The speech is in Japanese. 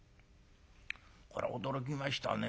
「これは驚きましたね。